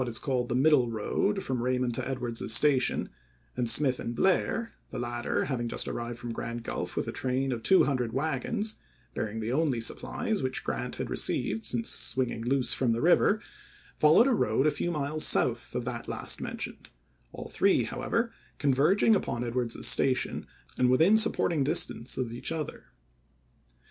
is called the middle road from Raymond to Ed wards's Station, and Smith and Blair (the latter having just arrived from Grand Gulf with a train of two hundred wagons bearing the only supplies which Grant had received since swinging loose from the river) followed a road a few miles south of that last mentioned, all three, however, converg ing upon Edwards's Station and within supporting distance of each other.